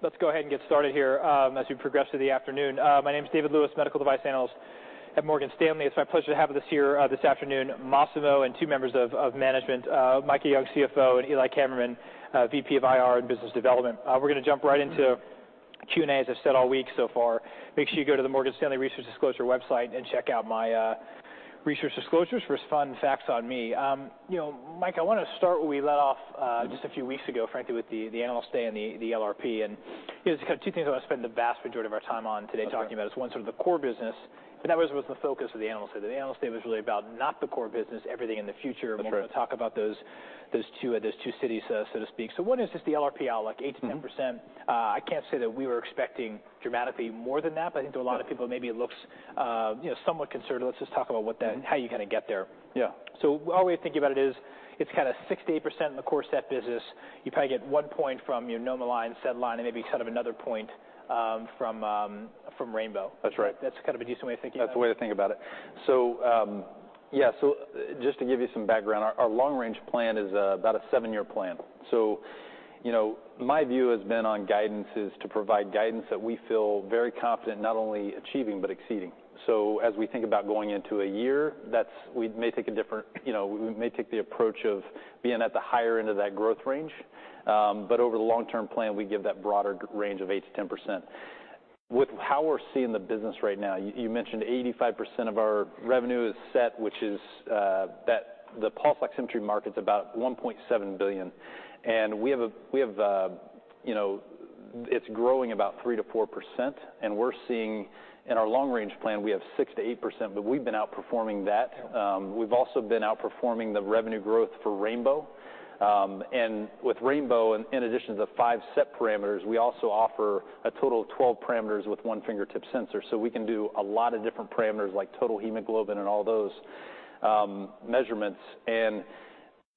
Let's go ahead and get started here as we progress through the afternoon. My name is David Lewis, Medical Device Analyst at Morgan Stanley. It's my pleasure to have with us here this afternoon Masimo and two members of management, Micah Young, CFO, and Eli Kammerman, VP of IR and Business Development. We're going to jump right into Q&A, as I've said all week so far. Make sure you go to the Morgan Stanley Research Disclosure website and check out my research disclosures for fun facts on me. Mike, I want to start where we left off just a few weeks ago, frankly, with the analyst day and the LRP. There's two things I want to spend the vast majority of our time on today talking about. It's one, sort of the core business. That was the focus of the analyst day. The analysts day was really about not the core business, everything in the future. We're going to talk about those two theses, so to speak. One is just the LRP outlook, 8%-10%. I can't say that we were expecting dramatically more than that, but I think to a lot of people, maybe it looks somewhat conservative. Let's just talk about how you kind of get there. Our way of thinking about it is it's kind of 68% in the core SET business. You probably get one point from NomoLine, SedLine, and maybe sort of another point from Rainbow. That's kind of a decent way of thinking about it. That's a way to think about it. So yeah, so just to give you some background, our long-range plan is about a seven-year plan. So my view has been on guidances to provide guidance that we feel very confident not only achieving but exceeding. So as we think about going into a year, we may take the approach of being at the higher end of that growth range. But over the long-term plan, we give that broader range of 8%-10%. With how we're seeing the business right now, you mentioned 85% of our revenue is SET, which is that the pulse oximetry market's about $1.7 billion. And it's growing about 3%-4%. And we're seeing in our long-range plan, we have 6%-8%, but we've been outperforming that. We've also been outperforming the revenue growth for Rainbow. And with Rainbow, in addition to the five set parameters, we also offer a total of 12 parameters with one fingertip sensor. So we can do a lot of different parameters like total hemoglobin and all those measurements. And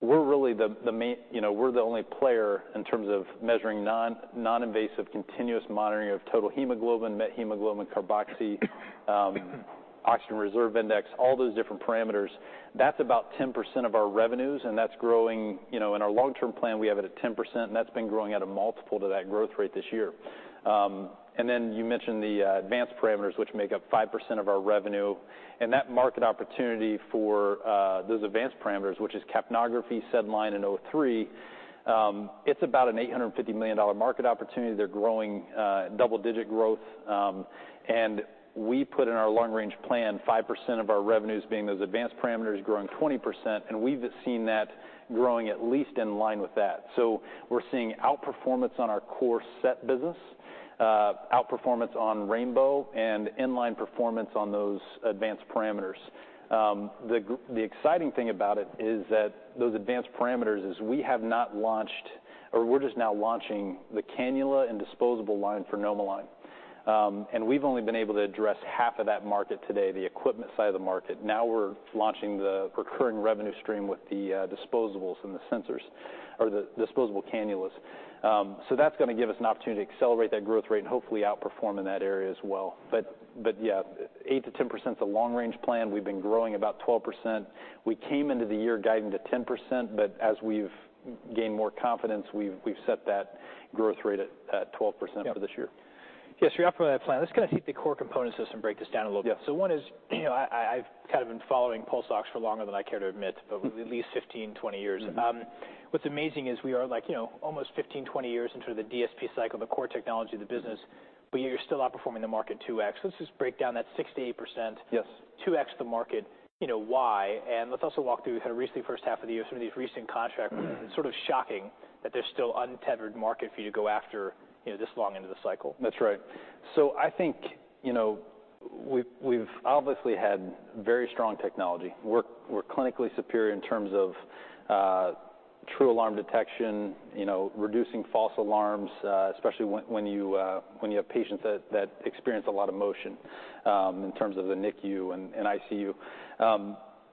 we're really the only player in terms of measuring non-invasive continuous monitoring of total hemoglobin, methemoglobin, carboxy, oxygen reserve index, all those different parameters. That's about 10% of our revenues, and that's growing. In our long-term plan, we have it at 10%, and that's been growing at a multiple to that growth rate this year. And then you mentioned the advanced parameters, which make up 5% of our revenue. And that market opportunity for those advanced parameters, which is capnography, SedLine, and O3, it's about an $850 million market opportunity. They're growing double-digit growth. We put in our long-range plan, 5% of our revenues being those advanced parameters growing 20%. We've seen that growing at least in-line with that. We're seeing outperformance on our core SET business, outperformance on Rainbow, and in-line performance on those advanced parameters. The exciting thing about it is that those advanced parameters is we have not launched or we're just now launching the cannula and disposable line for NomoLine. We've only been able to address half of that market today, the equipment side of the market. Now we're launching the recurring revenue stream with the disposables and the sensors or the disposable cannulas. That's going to give us an opportunity to accelerate that growth rate and hopefully outperform in that area as well. Yeah, 8%-10% is a long-range plan. We've been growing about 12%. We came into the year guiding to 10%, but as we've gained more confidence, we've set that growth rate at 12% for this year. Yeah, so you're outperforming that plan. Let's kind of take the core components and break this down a little bit. So one is I've kind of been following pulse ox for longer than I care to admit, but at least 15, 20 years. What's amazing is we are almost 15, 20 years into the DSP cycle, the core technology, the business, but you're still outperforming the market 2x. Let's just break down that 68%, 2x the market, why? And let's also walk through kind of recently first half of the year, some of these recent contracts. It's sort of shocking that there's still untapped market for you to go after this long into the cycle. That's right. So I think we've obviously had very strong technology. We're clinically superior in terms of true alarm detection, reducing false alarms, especially when you have patients that experience a lot of motion in terms of the NICU and ICU.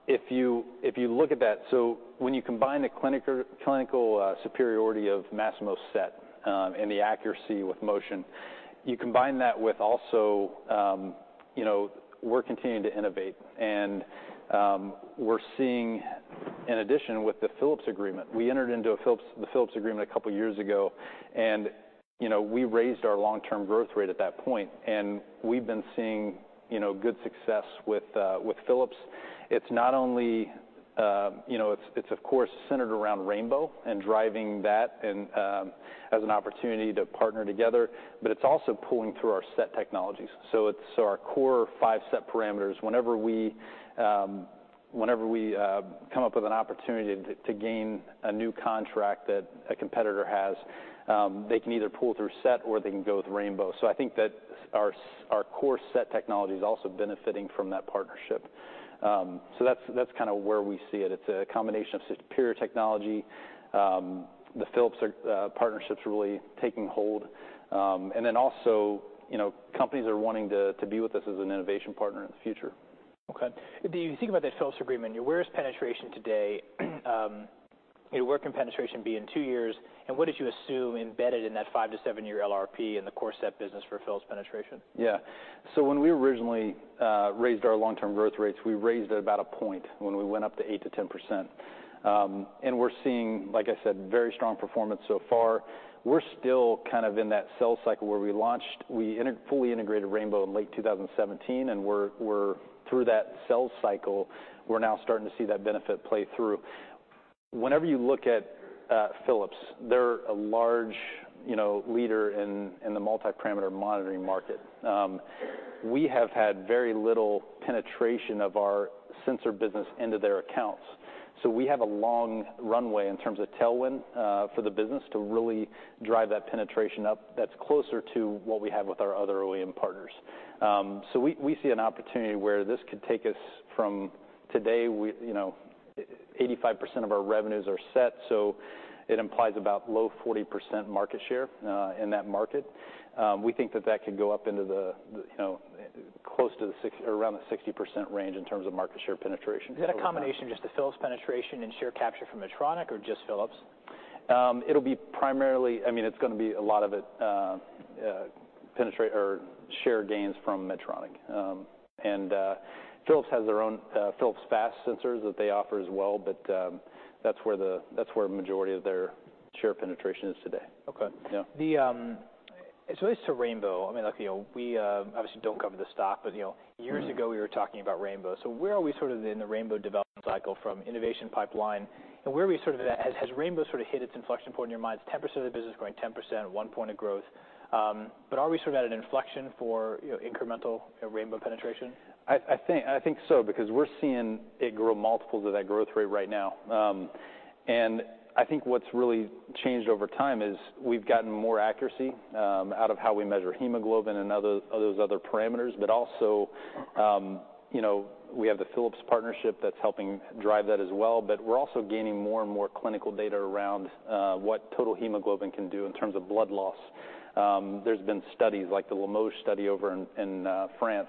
If you look at that, so when you combine the clinical superiority of Masimo's SET and the accuracy with motion, you combine that with also we're continuing to innovate. And we're seeing, in addition, with the Philips agreement, we entered into the Philips agreement a couple of years ago, and we raised our long-term growth rate at that point. And we've been seeing good success with Philips. It's not only, it's of course centered around Rainbow and driving that as an opportunity to partner together, but it's also pulling through our SET technologies. So our core five SET parameters, whenever we come up with an opportunity to gain a new contract that a competitor has, they can either pull through SET or they can go with Rainbow. So I think that our core SET technology is also benefiting from that partnership. So that's kind of where we see it. It's a combination of superior technology. The Philips partnership's really taking hold. And then also companies are wanting to be with us as an innovation partner in the future. Okay. Do you think about that Philips agreement? Where is penetration today? Where can penetration be in two years? And what did you assume embedded in that five-to-seven-year LRP and the core SET business for Philips penetration? Yeah. So when we originally raised our long-term growth rates, we raised it about a point when we went up to 8%-10%. And we're seeing, like I said, very strong performance so far. We're still kind of in that sell cycle where we launched, we fully integrated Rainbow in late 2017, and through that sell cycle, we're now starting to see that benefit play through. Whenever you look at Philips, they're a large leader in the multi-parameter monitoring market. We have had very little penetration of our sensor business into their accounts. So we have a long runway in terms of tailwind for the business to really drive that penetration up that's closer to what we have with our other OEM partners. We see an opportunity where this could take us from today, 85% of our revenues are SET, so it implies about low 40% market share in that market. We think that that could go up into the close to around the 60% range in terms of market share penetration. Is that a combination of just the Philips penetration and share capture from Medtronic or just Philips? It'll be primarily, I mean, it's going to be a lot of it penetration or share gains from Medtronic, and Philips has their own Philips FAST sensors that they offer as well, but that's where the majority of their share penetration is today. Okay. So, as to Rainbow, I mean, we obviously don't cover the stock, but years ago we were talking about Rainbow. So where are we sort of in the Rainbow development cycle from innovation pipeline? And where are we sort of at? Has Rainbow sort of hit its inflection point in your mind? It's 10% of the business growing, 10%, one point of growth. But are we sort of at an inflection for incremental Rainbow penetration? I think so because we're seeing it grow multiples of that growth rate right now. And I think what's really changed over time is we've gotten more accuracy out of how we measure hemoglobin and those other parameters. But also we have the Philips partnership that's helping drive that as well. But we're also gaining more and more clinical data around what total hemoglobin can do in terms of blood loss. There's been studies like the Limoges study over in France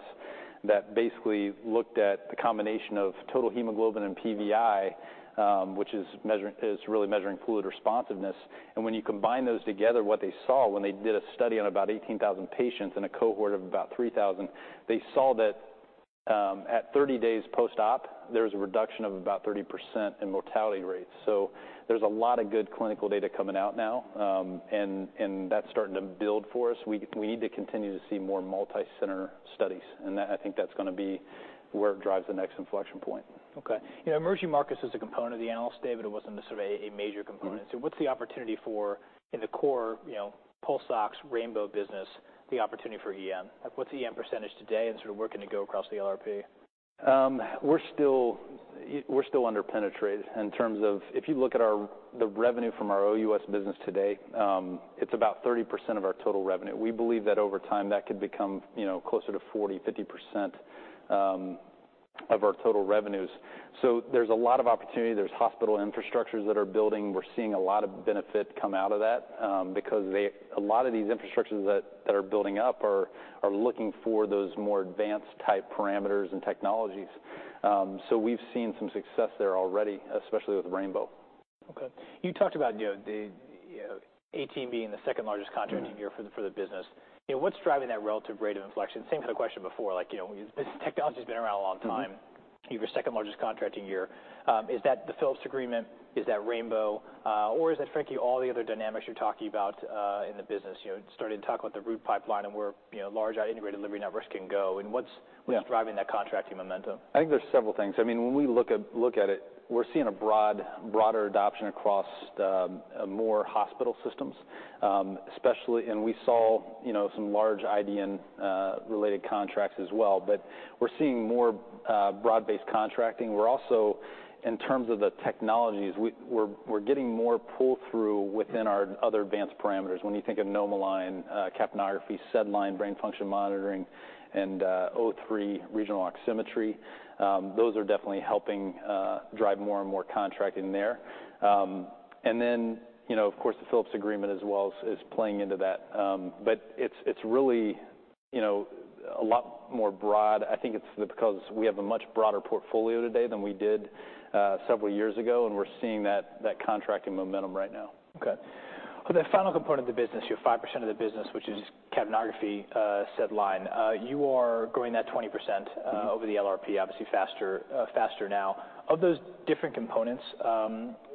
that basically looked at the combination of total hemoglobin and PVI, which is really measuring fluid responsiveness. And when you combine those together, what they saw when they did a study on about 18,000 patients in a cohort of about 3,000, they saw that at 30 days post-op, there was a reduction of about 30% in mortality rates. So there's a lot of good clinical data coming out now, and that's starting to build for us. We need to continue to see more multi-center studies, and I think that's going to be where it drives the next inflection point. Okay. Emerging markets is a component of the analysis, David. It wasn't necessarily a major component. So what's the opportunity for in the core pulse ox Rainbow business, the opportunity for EM? What's the EM percentage today and sort of where can it go across the LRP? We're still under-penetrated in terms of if you look at the revenue from our OUS business today, it's about 30% of our total revenue. We believe that over time that could become closer to 40%-50% of our total revenues. So there's a lot of opportunity. There's hospital infrastructures that are building. We're seeing a lot of benefit come out of that because a lot of these infrastructures that are building up are looking for those more advanced type parameters and technologies. So we've seen some success there already, especially with Rainbow. Okay. You talked about 18 being the second largest contracting year for the business. What's driving that relative rate of inflection? Same kind of question before. This technology has been around a long time. You're second largest contracting year. Is that the Philips agreement? Is that Rainbow? Or is it, frankly, all the other dynamics you're talking about in the business? Starting to talk about the Root pipeline and where large integrated delivery networks can go. And what's driving that contracting momentum? I think there's several things. I mean, when we look at it, we're seeing a broader adoption across more hospital systems, especially, and we saw some large IDN-related contracts as well. But we're seeing more broad-based contracting. We're also, in terms of the technologies, we're getting more pull-through within our other advanced parameters. When you think of NomoLine, capnography, SedLine, brain function monitoring, and O3 regional oximetry, those are definitely helping drive more and more contracting there. And then, of course, the Philips agreement as well is playing into that. But it's really a lot more broad. I think it's because we have a much broader portfolio today than we did several years ago, and we're seeing that contracting momentum right now. Okay. That final component of the business, you have 5% of the business, which is capnography, SedLine. You are growing that 20% over the LRP, obviously faster now. Of those different components,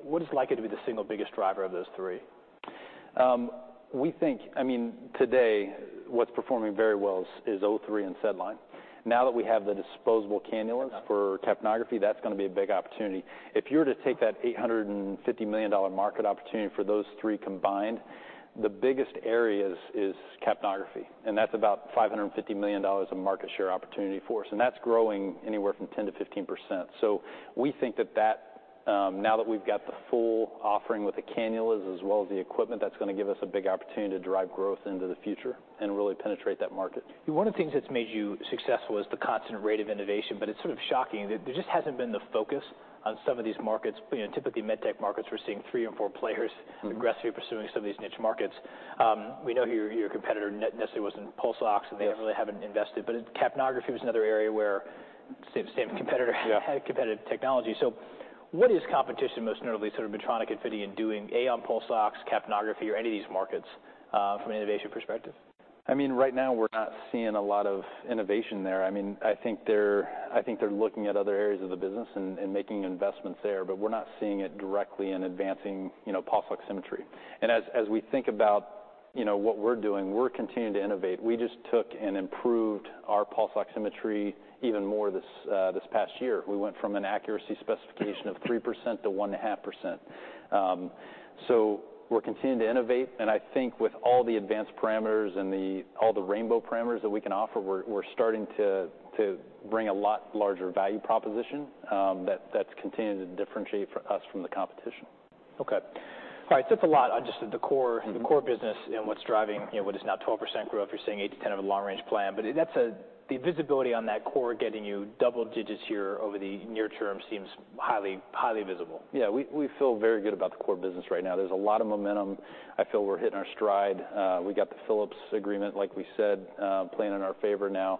what is likely to be the single biggest driver of those three? We think, I mean, today, what's performing very well is O3 and SedLine. Now that we have the disposable cannulas for capnography, that's going to be a big opportunity. If you were to take that $850 million market opportunity for those three combined, the biggest area is capnography. And that's about $550 million of market share opportunity for us. That's growing anywhere from 10%-15%. We think that now that we've got the full offering with the cannulas as well as the equipment, that's going to give us a big opportunity to drive growth into the future and really penetrate that market. One of the things that's made you successful is the constant rate of innovation, but it's sort of shocking that there just hasn't been the focus on some of these markets. Typically, med tech markets, we're seeing three or four players aggressively pursuing some of these niche markets. We know your competitor necessarily wasn't pulse ox, and they really haven't invested. But capnography was another area where same competitor had competitive technology. So what is competition most notably sort of Medtronic and Philips in doing, A, on pulse ox, capnography, or any of these markets from an innovation perspective? I mean, right now, we're not seeing a lot of innovation there. I mean, I think they're looking at other areas of the business and making investments there, but we're not seeing it directly in advancing pulse oximetry. And as we think about what we're doing, we're continuing to innovate. We just took and improved our pulse oximetry even more this past year. We went from an accuracy specification of 3% to 1.5%. So we're continuing to innovate. And I think with all the advanced parameters and all the Rainbow parameters that we can offer, we're starting to bring a lot larger value proposition that's continuing to differentiate us from the competition. Okay. All right, so that's a lot on just the core business and what's driving what is now 12% growth. You're seeing 8%-10% of a long-range plan. But the visibility on that core getting you double digits here over the near term seems highly visible. Yeah. We feel very good about the core business right now. There's a lot of momentum. I feel we're hitting our stride. We got the Philips agreement, like we said, playing in our favor now.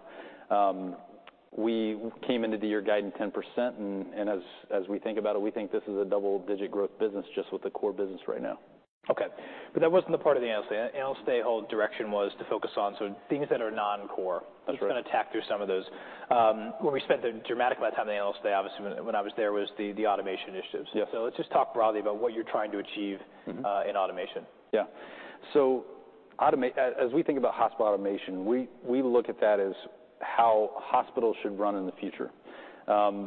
We came into the year guiding 10%, and as we think about it, we think this is a double-digit growth business just with the core business right now. Okay. But that wasn't the part of the analysis. The analysis that you held direction was to focus on some things that are non-core. That's right. I'm just going to talk through some of those. When we spent the dramatic amount of time in the analysis study, obviously, when I was there was the automation initiatives, so let's just talk broadly about what you're trying to achieve in automation. Yeah, so as we think about hospital automation, we look at that as how hospitals should run in the future.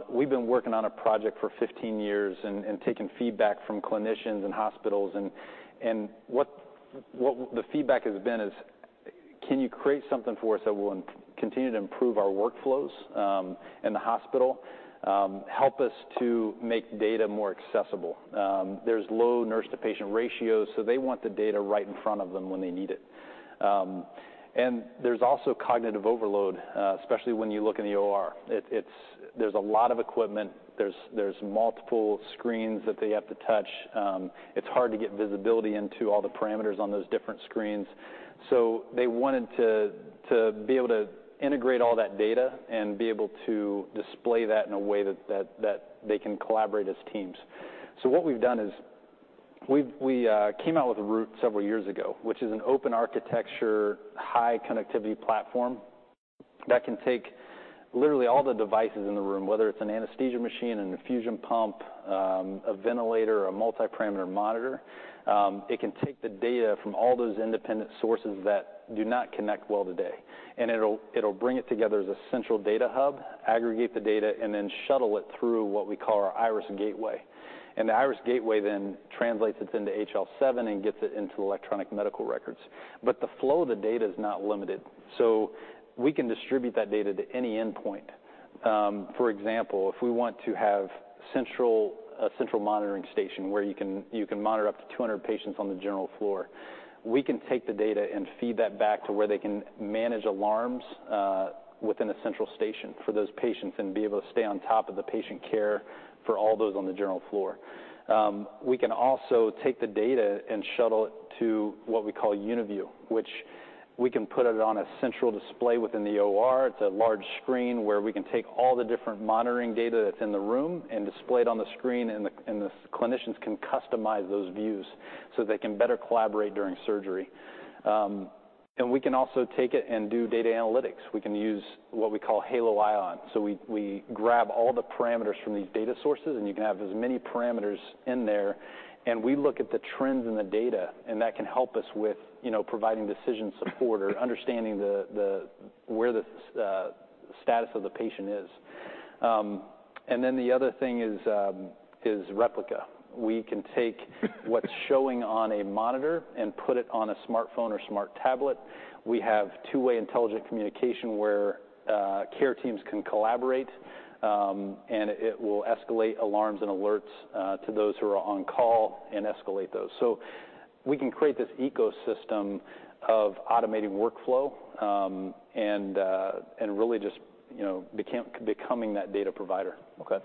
We've been working on a project for 15 years and taking feedback from clinicians and hospitals, and what the feedback has been is, can you create something for us that will continue to improve our workflows in the hospital, help us to make data more accessible? There's low nurse-to-patient ratios, so they want the data right in front of them when they need it, and there's also cognitive overload, especially when you look in the OR. There's a lot of equipment. There's multiple screens that they have to touch. It's hard to get visibility into all the parameters on those different screens. So they wanted to be able to integrate all that data and be able to display that in a way that they can collaborate as teams. So what we've done is we came out with Root several years ago, which is an open architecture, high connectivity platform that can take literally all the devices in the room, whether it's an anesthesia machine, an infusion pump, a ventilator, a multi-parameter monitor. It can take the data from all those independent sources that do not connect well today. And it'll bring it together as a central data hub, aggregate the data, and then shuttle it through what we call our Iris Gateway. And the Iris Gateway then translates it into HL7 and gets it into electronic medical records. But the flow of the data is not limited. So we can distribute that data to any endpoint. For example, if we want to have a central monitoring station where you can monitor up to 200 patients on the general floor, we can take the data and feed that back to where they can manage alarms within a central station for those patients and be able to stay on top of the patient care for all those on the general floor. We can also take the data and shuttle it to what we call UniView, which we can put it on a central display within the OR. It's a large screen where we can take all the different monitoring data that's in the room and display it on the screen, and the clinicians can customize those views so they can better collaborate during surgery. And we can also take it and do data analytics. We can use what we call Halo ION. So we grab all the parameters from these data sources, and you can have as many parameters in there. And we look at the trends in the data, and that can help us with providing decision support or understanding where the status of the patient is. And then the other thing is Replica. We can take what's showing on a monitor and put it on a smartphone or smart tablet. We have two-way intelligent communication where care teams can collaborate, and it will escalate alarms and alerts to those who are on call and escalate those. So we can create this ecosystem of automating workflow and really just becoming that data provider. Okay.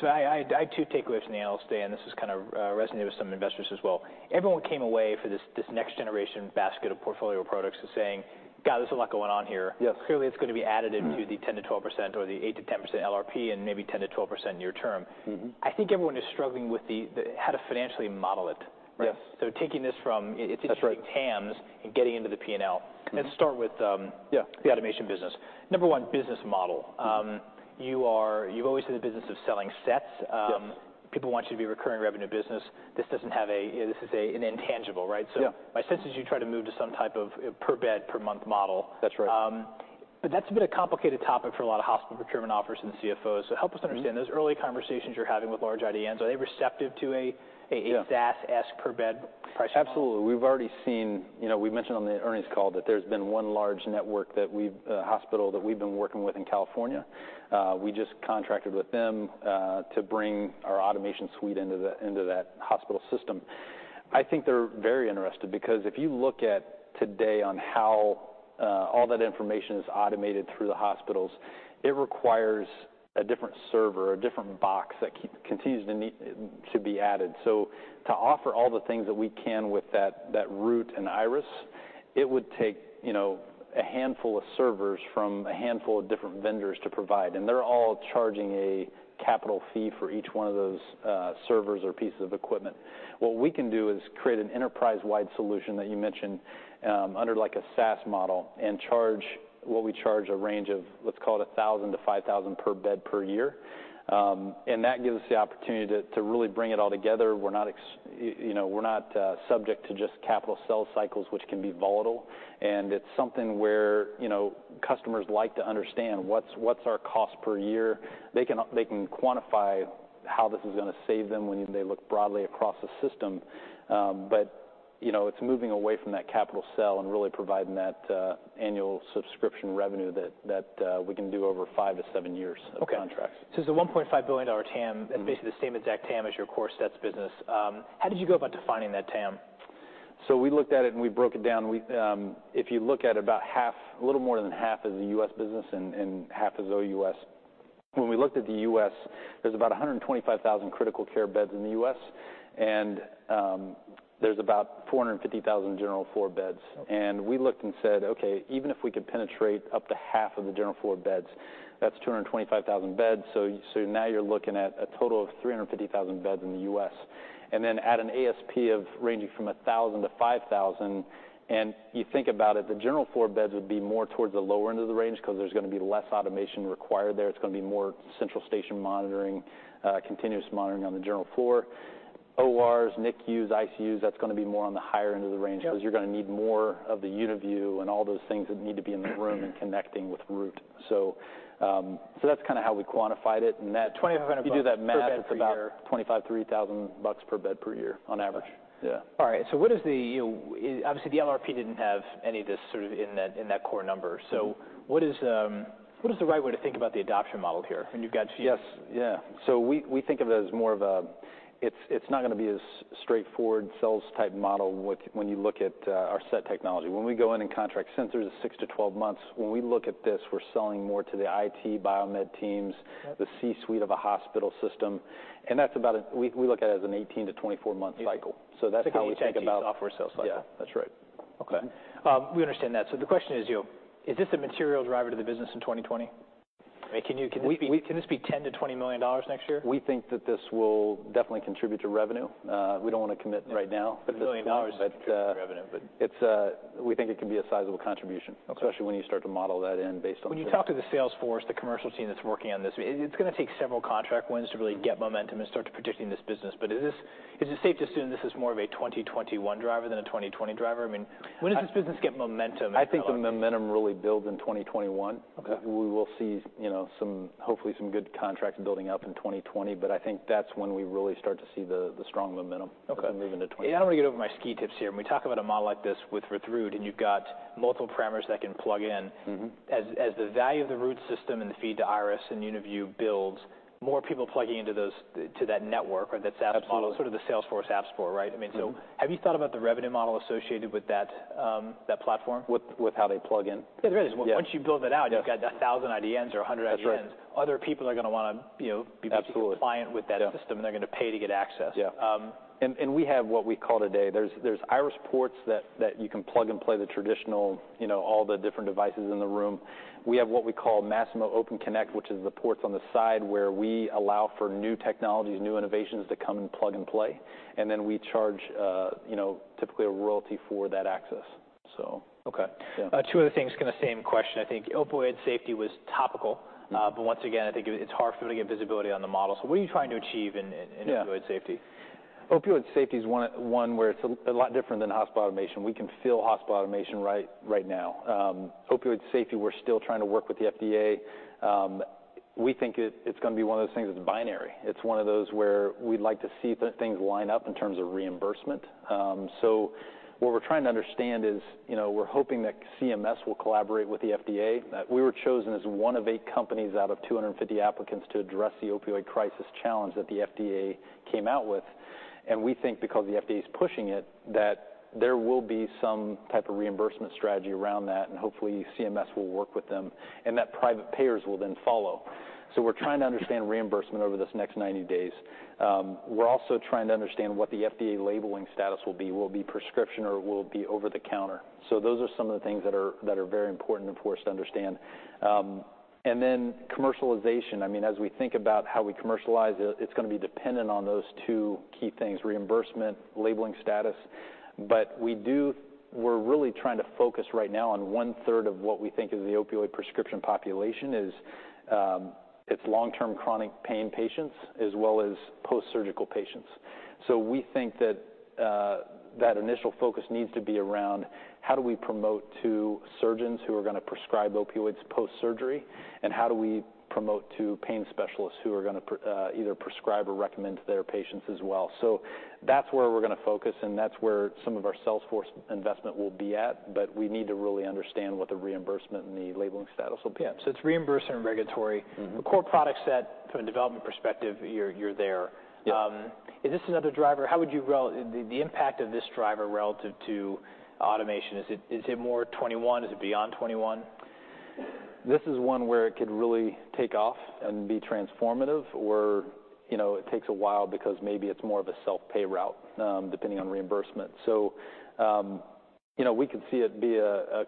So I had two takeaways from the analysis study, and this is kind of resonating with some investors as well. Everyone came away for this next-generation basket of portfolio products saying, "God, there's a lot going on here." Clearly, it's going to be added into the 10%-12% or the 8%-10% LRP and maybe 10%-12% near term. I think everyone is struggling with how to financially model it, right? Yes. Taking this from its interesting TAMs and getting into the P&L and start with the automation business. Number one, business model. You've always had the business of selling sets. People want you to be a recurring revenue business. This doesn't have a. This is an intangible, right? Yeah. So my sense is you try to move to some type of per-bed, per-month model. That's right. But that's a bit of a complicated topic for a lot of hospital procurement offers and CFOs. So help us understand those early conversations you're having with large IDNs. Are they receptive to a SaaS-esque per-bed pricing model? Absolutely. We've already seen we mentioned on the earnings call that there's been one large network that we've been working with in California. We just contracted with them to bring our automation suite into that hospital system. I think they're very interested because if you look at today on how all that information is automated through the hospitals, it requires a different server, a different box that continues to be added. So to offer all the things that we can with that Root and Iris, it would take a handful of servers from a handful of different vendors to provide, and they're all charging a capital fee for each one of those servers or pieces of equipment. What we can do is create an enterprise-wide solution that you mentioned under a SaaS model and charge what we charge a range of, let's call it $1,000-$5,000 per bed per year. That gives us the opportunity to really bring it all together. We're not subject to just capital sales cycles, which can be volatile. It's something where customers like to understand what's our cost per year. They can quantify how this is going to save them when they look broadly across the system. It's moving away from that capital sell and really providing that annual subscription revenue that we can do over five to seven years of contracts. Okay. So it's a $1.5 billion TAM. It's basically the same exact TAM as your core sets business. How did you go about defining that TAM? So we looked at it and we broke it down. If you look at it, about half, a little more than half is the U.S. business and half is OUS. When we looked at the U.S., there's about 125,000 critical care beds in the U.S., and there's about 450,000 general floor beds. And we looked and said, "Okay, even if we could penetrate up to half of the general floor beds, that's 225,000 beds." So now you're looking at a total of 350,000 beds in the U.S. And then add an ASP ranging from $1,000-$5,000. And you think about it, the general floor beds would be more towards the lower end of the range because there's going to be less automation required there. It's going to be more central station monitoring, continuous monitoring on the general floor. ORs, NICUs, ICUs, that's going to be more on the higher end of the range because you're going to need more of the UniView and all those things that need to be in the room and connecting with Root. So that's kind of how we quantified it. And that. $2,500 per bed per year. If you do that math, it's about $25,000-$3,000 bucks per bed per year on average. Yeah. All right. So what is, obviously, the LRP didn't have any of this sort of in that core number. So what is the right way to think about the adoption model here when you've got? Yes. Yeah. So we think of it as more of a. It's not going to be a straightforward sales-type model when you look at our SET technology. When we go in and contract sensors at six to 12 months, when we look at this, we're selling more to the IT, biomed teams, the C-suite of a hospital system. And that's about. We look at it as an 18- to 24-month cycle. So that's how we think about. 16-to-18-month software sales cycle. Yeah. That's right. Okay. We understand that. So the question is, is this a material driver to the business in 2020? I mean, can this be $10 million-$20 million next year? We think that this will definitely contribute to revenue. We don't want to commit right now. It's $1 million in revenue, but. We think it can be a sizable contribution, especially when you start to model that in based on. When you talk to the sales force, the commercial team that's working on this, it's going to take several contract wins to really get momentum and start to predicting this business. But is it safe to assume this is more of a 2021 driver than a 2020 driver? I mean, when does this business get momentum? I think the momentum really builds in 2021. We will see hopefully some good contracts building up in 2020, but I think that's when we really start to see the strong momentum moving to 2020. I don't want to get out over my skis here. When we talk about a model like this with Root and you've got multiple parameters that can plug in, as the value of the Root system and the feed to Iris and UniView builds, more people plugging into that network or that SaaS model, sort of the sales force AppExchange, right? I mean, so have you thought about the revenue model associated with that platform? With how they plug in? Yeah, the revenue. Once you build it out, you've got 1,000 IDNs or 100 IDNs. That's right. Other people are going to want to be compliant with that system, and they're going to pay to get access. Yeah, and we have what we call today, there's Iris ports that you can plug and play the traditional, all the different devices in the room. We have what we call Masimo Open Connect, which is the ports on the side where we allow for new technologies, new innovations to come and plug and play. And then we charge typically a royalty for that access, so. Okay. Two other things in the same question. I think opioid safety was topical, but once again, I think it's hard for them to get visibility on the model. So what are you trying to achieve in opioid safety? Opioid safety is one where it's a lot different than hospital automation. We can fill hospital automation right now. Opioid safety, we're still trying to work with the FDA. We think it's going to be one of those things that's binary. It's one of those where we'd like to see things line up in terms of reimbursement, so what we're trying to understand is we're hoping that CMS will collaborate with the FDA. We were chosen as one of eight companies out of 250 applicants to address the opioid crisis challenge that the FDA came out with, and we think because the FDA is pushing it, that there will be some type of reimbursement strategy around that, and hopefully CMS will work with them, and that private payers will then follow, so we're trying to understand reimbursement over this next 90 days. We're also trying to understand what the FDA labeling status will be. Will it be prescription, or will it be over-the-counter, so those are some of the things that are very important for us to understand, and then commercialization, I mean, as we think about how we commercialize, it's going to be dependent on those two key things: reimbursement, labeling status, but we're really trying to focus right now on one-third of what we think is the opioid prescription population is it's long-term chronic pain patients as well as post-surgical patients, so we think that that initial focus needs to be around how do we promote to surgeons who are going to prescribe opioids post-surgery, and how do we promote to pain specialists who are going to either prescribe or recommend to their patients as well. So that's where we're going to focus, and that's where some of our Salesforce investment will be at. But we need to really understand what the reimbursement and the labeling status will be. Yeah. So it's reimbursement and regulatory. The core product set from a development perspective, you're there. Is this another driver? How would you the impact of this driver relative to automation? Is it more 2021? Is it beyond 2021? This is one where it could really take off and be transformative, or it takes a while because maybe it's more of a self-pay route depending on reimbursement. So we could see it be a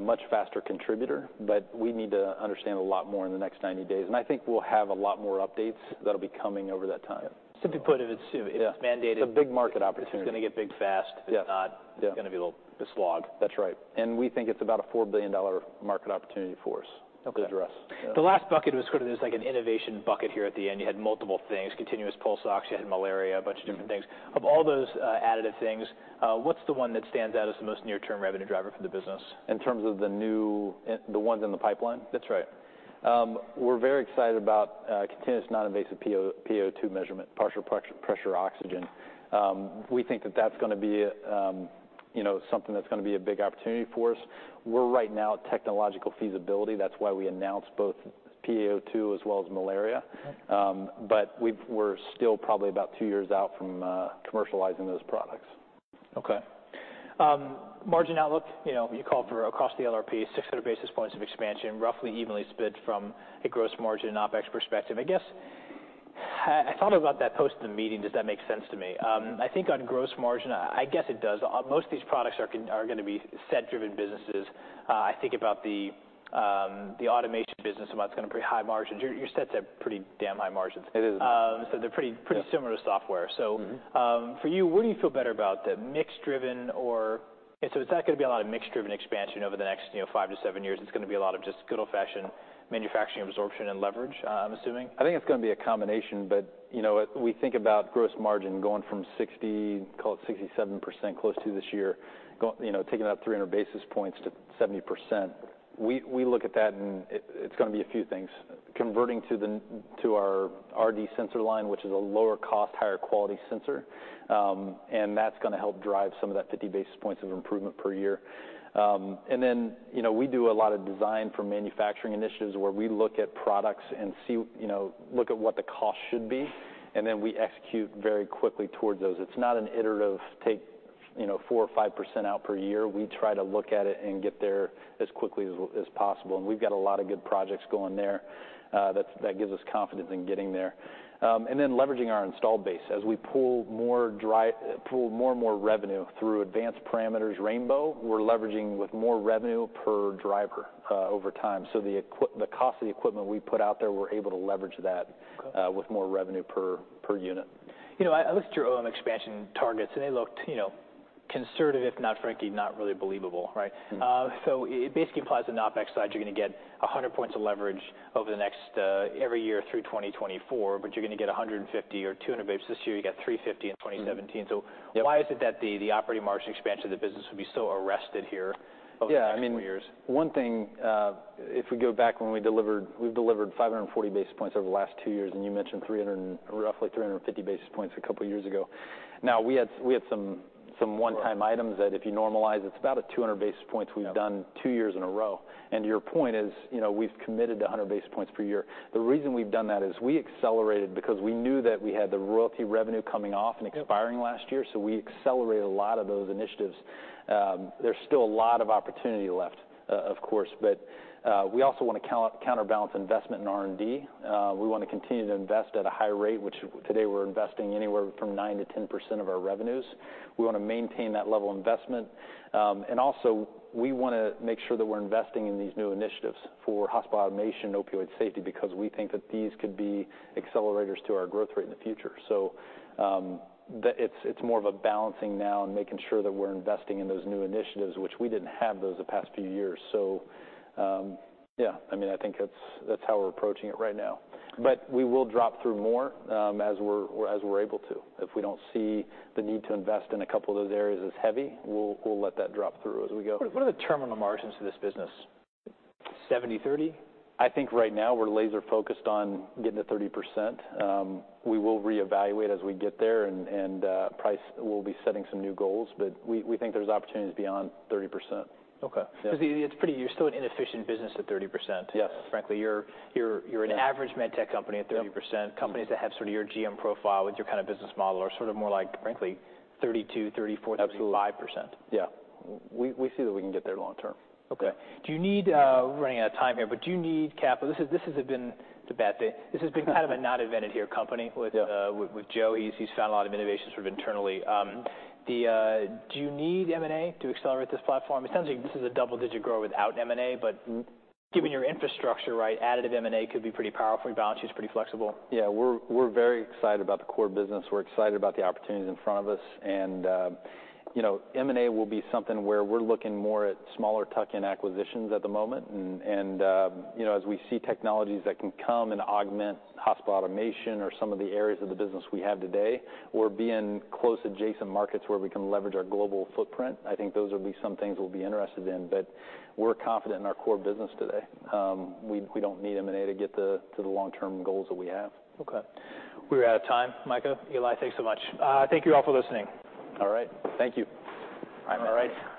much faster contributor, but we need to understand a lot more in the next 90 days. And I think we'll have a lot more updates that'll be coming over that time. Simply put, if it's mandated. It's a big market opportunity. It's going to get big fast. If it's not, it's going to be a little slog. That's right. And we think it's about a $4 billion market opportunity for us to address. The last bucket was sort of there's like an innovation bucket here at the end. You had multiple things: continuous pulse ox, you had malaria, a bunch of different things. Of all those additive things, what's the one that stands out as the most near-term revenue driver for the business? In terms of the new ones in the pipeline? That's right. We're very excited about continuous non-invasive PaO2 measurement, partial pressure oxygen. We think that that's going to be something that's going to be a big opportunity for us. We're right now at technological feasibility. That's why we announced both PaO2 as well as malaria. But we're still probably about two years out from commercializing those products. Okay. Margin outlook, you call for across the LRP 600 basis points of expansion, roughly evenly split from a gross margin and OpEx perspective. I guess I thought about that post the meeting. Does that make sense to me? I think on gross margin, I guess it does. Most of these products are going to be set-driven businesses. I think about the automation business and why it's going to be pretty high margins. Your sets have pretty damn high margins. It is. So they're pretty similar to software. So for you, where do you feel better about that? Mix-driven or so it's not going to be a lot of mix-driven expansion over the next five to seven years. It's going to be a lot of just good old-fashioned manufacturing absorption and leverage, I'm assuming. I think it's going to be a combination, but we think about gross margin going from 60%, call it 67% close to this year, taking that 300 basis points to 70%. We look at that, and it's going to be a few things. Converting to our RD Sensors line, which is a lower-cost, higher-quality sensor. And that's going to help drive some of that 50 basis points of improvement per year. And then we do a lot of design for manufacturing initiatives where we look at products and look at what the cost should be, and then we execute very quickly towards those. It's not an iterative take 4% or 5% out per year. We try to look at it and get there as quickly as possible. And we've got a lot of good projects going there that gives us confidence in getting there. Then, leveraging our install base as we pull more and more revenue through advanced parameters, Rainbow, we're leveraging with more revenue per driver over time. The cost of the equipment we put out there, we're able to leverage that with more revenue per unit. I looked at your OM expansion targets, and they looked conservative, if not frankly, not really believable, right? So it basically implies on the OpEx side, you're going to get 100 points of leverage over the next every year through 2024, but you're going to get 150 or 200 basis points. This year you got 350 in 2017. So why is it that the operating margin expansion of the business would be so arrested here over the next four years? Yeah. I mean, one thing, if we go back when we delivered, we've delivered 540 basis points over the last two years, and you mentioned roughly 350 basis points a couple of years ago. Now, we had some one-time items that if you normalize, it's about 200 basis points we've done two years in a row. And your point is we've committed to 100 basis points per year. The reason we've done that is we accelerated because we knew that we had the royalty revenue coming off and expiring last year. So we accelerated a lot of those initiatives. There's still a lot of opportunity left, of course, but we also want to counterbalance investment in R&D. We want to continue to invest at a high rate, which today we're investing anywhere from 9%-10% of our revenues. We want to maintain that level of investment. Also, we want to make sure that we're investing in these new initiatives for hospital automation and opioid safety because we think that these could be accelerators to our growth rate in the future. It's more of a balancing now and making sure that we're investing in those new initiatives, which we didn't have those the past few years. Yeah, I mean, I think that's how we're approaching it right now. But we will drop through more as we're able to. If we don't see the need to invest in a couple of those areas as heavy, we'll let that drop through as we go. What are the terminal margins for this business? 70/30. I think right now we're laser-focused on getting to 30%. We will reevaluate as we get there, and we'll be setting some new goals, but we think there's opportunities beyond 30%. Okay. Because you're still an inefficient business at 30%. Yes. Frankly, you're an average med tech company at 30%. Companies that have sort of your GM profile with your kind of business model are sort of more like, frankly, 32%, 34%, 35%. Absolutely. Yeah. We see that we can get there long-term. Okay. We're running out of time here, but do you need capital? This has been the bad thing. This has been kind of a not invented here company with Joe. He's found a lot of innovations sort of internally. Do you need M&A to accelerate this platform? It sounds like this is a double-digit grow without M&A, but given your infrastructure, right, additive M&A could be pretty powerful. Your balance sheet's pretty flexible. Yeah. We're very excited about the core business. We're excited about the opportunities in front of us. And M&A will be something where we're looking more at smaller tuck-in acquisitions at the moment. And as we see technologies that can come and augment hospital automation or some of the areas of the business we have today, or being close adjacent markets where we can leverage our global footprint, I think those would be some things we'll be interested in. But we're confident in our core business today. We don't need M&A to get to the long-term goals that we have. Okay. We're out of time, Micah. Eli, thanks so much. Thank you all for listening. All right. Thank you. All right.